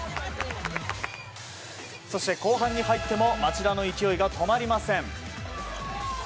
そして、後半に入っても町田の勢いが止まりません。